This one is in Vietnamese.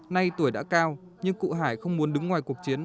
nay tuổi đã cao nhưng cụ hải không muốn đứng ngoài cuộc chiến